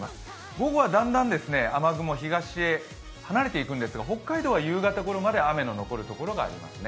午後はだんだん雨雲は東へ離れていくんですが、北海道は夕方ごろまで雨の残るところがありますね。